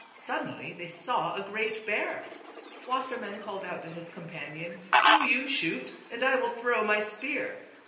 Suddenly they saw a great bear. Wassermann calle'd out to his companion, " Do you shoot, and I will throw my spear."